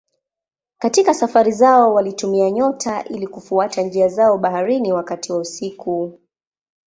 Katika safari zao walitumia nyota ili kufuata njia zao baharini wakati wa usiku.